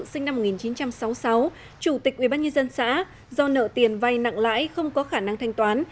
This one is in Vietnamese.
sinh năm một nghìn chín trăm sáu mươi sáu chủ tịch ubnd xã do nợ tiền vay nặng lãi không có khả năng thanh toán